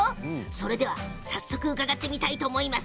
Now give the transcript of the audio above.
それでは早速伺ってみたいと思います。